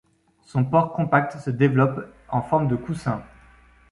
Son port compact se développe en forme de coussin.